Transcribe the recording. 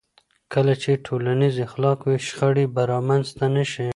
کله چې ښو اخلاق وي، شخړې به رامنځته نه شي.